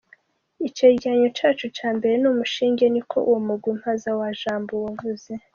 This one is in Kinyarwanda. "Icegeranyo cacu ca mbere ni umushinge," niko uwo mugwi mpanuzwajambo wavuze.